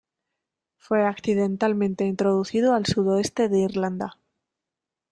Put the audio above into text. Fue accidentalmente introducido al sudoeste de Irlanda.